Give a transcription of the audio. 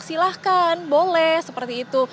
silahkan boleh seperti itu